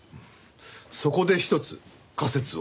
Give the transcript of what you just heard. そこでひとつ仮説を。